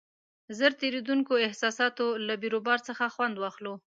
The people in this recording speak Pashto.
ژر تېرېدونکو احساساتو له بیروبار څخه خوند واخلو.